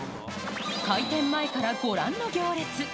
開店前からご覧の行列。